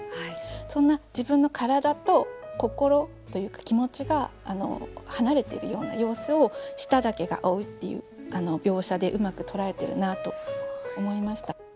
そんな自分の体と心というか気持ちが離れてるような様子を「舌だけが追う」っていう描写でうまく捉えてるなと思いました。